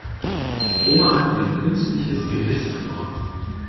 Oma hat ihr künstliches Gebiss verloren.